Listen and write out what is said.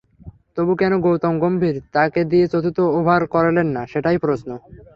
তবু কেন গৌতম গম্ভীর তাঁকে দিয়ে চতুর্থ ওভার করালেন না, সেটাই প্রশ্ন।